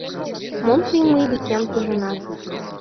Мом тый мый декем пижынат?